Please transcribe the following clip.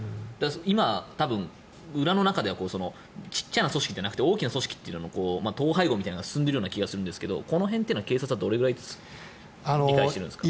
今、多分、裏の中では小さな組織じゃなくて大きな組織というのも統廃合みたいなのも進んでると思うんですがこの辺は警察はどれくらい理解しているんですか。